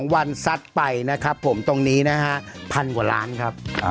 วันซัดไปนะครับผมตรงนี้นะฮะพันกว่าล้านครับ